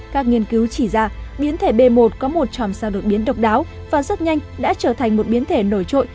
các nghiên cứu chỉ ra biến thể b một có một tròm sao đột biến độc đáo và rất nhanh đã trở thành một biến thể nổi trội